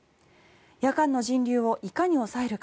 夜間の人流をいかに抑えるか。